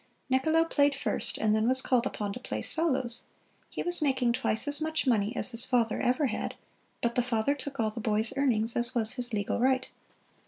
Niccolo played first and then was called upon to play solos. He was making twice as much money as his father ever had, but the father took all the boy's earnings, as was his legal right.